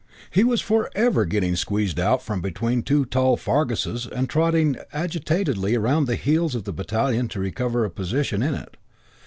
He was forever getting squeezed out from between two tall Farguses and trotting agitatedly around the heels of the battalion to recover a position in it.